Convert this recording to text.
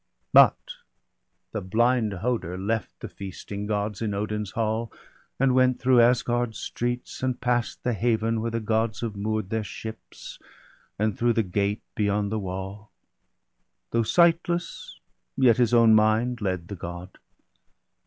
But the blind Hoder left the feasting Gods In Odin's hall, and went through Asgard streets, And past the haven where the Gods have moor'd Their ships, and through the gate, beyond the wall ; Though sightless, yet his own mind led the God.